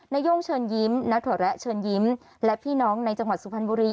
นาย่งเชิญยิ้มณถั่วแระเชิญยิ้มและพี่น้องในจังหวัดสุพรรณบุรี